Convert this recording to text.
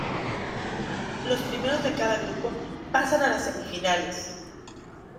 Los primeros de cada grupo pasan a las semifinales.